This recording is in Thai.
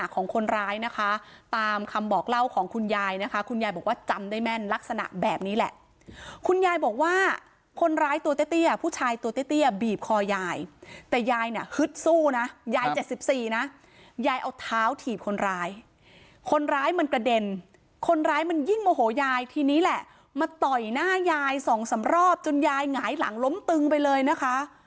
คุณยายบอกว่าคนร้ายตัวเตี้ยเตี้ยผู้ชายตัวเตี้ยเตี้ยบีบคอยายแต่ยายเนี่ยฮึดสู้นะยายเจ็ดสิบสี่นะยายเอาเท้าถีบคนร้ายคนร้ายมันกระเด็นคนร้ายมันยิ่งโอ้โหยายทีนี้แหละมาต่อยหน้ายายสองสามรอบจนยายหงายหลังล้มตึงไปเลยนะคะ